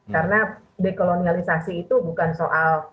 karena dekolonialisasi itu bukan soal